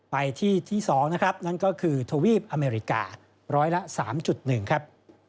ไปที่ที่๒นะครับนั่นก็คือทวีปอเมริการ้อยละ๓๑ครับ